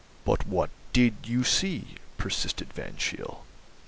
"But what did you see?" persisted Van Cheele.